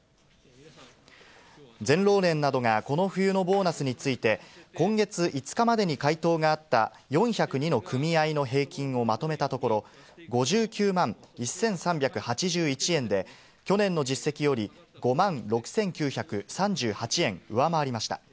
全労連などがこの冬のボーナスについて、今月５日までに回答があった４０２の組合の平均をまとめたところ、５９万１３８１円で、去年の実績より５万６９３８円上回りました。